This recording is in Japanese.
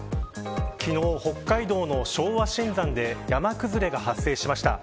昨日、北海道の昭和新山で山崩れが発生しました。